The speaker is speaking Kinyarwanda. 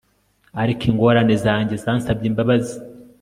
Ariko ingorane zanjye zansabye imbabazi